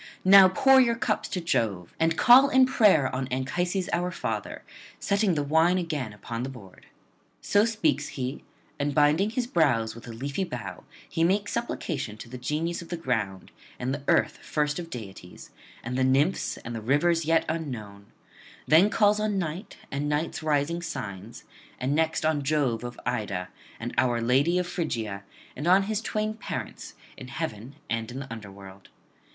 Now pour your cups to Jove, and call in prayer on Anchises our father, setting the wine again upon the board.' So speaks he, and binding his brows with a leafy bough, he makes supplication to the Genius of the ground, and Earth first of deities, and the Nymphs, and the Rivers yet unknown; then calls on Night and Night's rising signs, and next on Jove of Ida, and our lady of Phrygia, and on his twain parents, in heaven and in the under world.